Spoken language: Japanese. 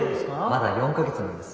まだ４か月なんです。